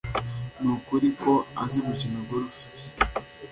Nukuri ko azi gukina golf.